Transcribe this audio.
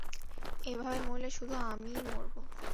এভাবে মরলে, শুধু আমিই মরবো।